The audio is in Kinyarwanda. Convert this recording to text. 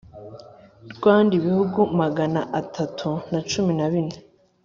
Rwanda ibihumbi magana atatu na cumi na bine